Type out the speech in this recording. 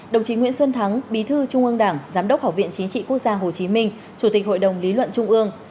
đồng chí nguyễn xuân thắng bí thư trung ương đảng giám đốc học viện chính trị quốc gia hồ chí minh chủ tịch hội đồng lý luận trung ương